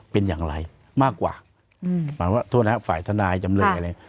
เป็นอย่างไรมากกว่าหมายว่าโทษนะฝ่ายทนายจำเลยอะไร